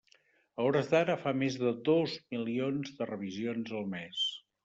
A hores d'ara fa més de dos milions de revisions al mes.